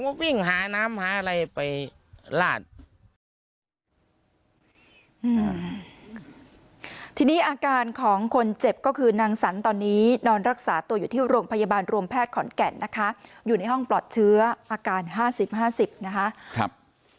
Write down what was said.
ผมก็วิ่งหาน้ำหาอะไรไปลาด